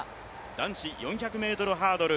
男子４００ｍハードル。